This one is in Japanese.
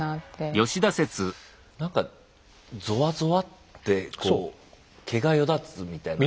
何かゾワゾワって毛がよだつみたいな。